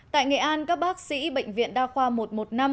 tại nghệ an các bác sĩ bệnh viện đa khoa một một năm